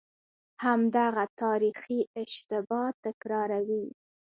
همدغه تاریخي اشتباه تکراروي.